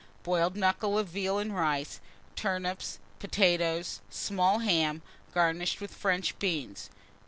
Boiled knuckle of veal and rice, turnips, potatoes; small ham, garnished with French beans.